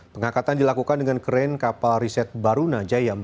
pengangkatan dilakukan dengan keren kapal riset baruna jaya empat